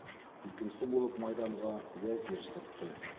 Икенсе булып майҙанға Вәзир сыҡты.